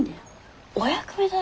お役目だろ？